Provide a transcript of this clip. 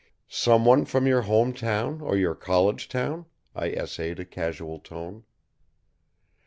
"Someone from your home town or your college town?" I essayed a casual tone.